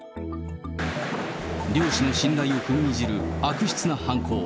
漁師の信頼を踏みにじる悪質な犯行。